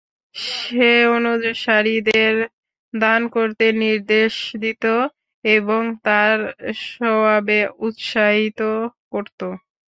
সে অনুসারীদের দান করতে নির্দেশ দিত এবং তার সওয়াবে উৎসাহিত করত।